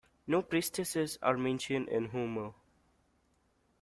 No priestesses are mentioned in Homer.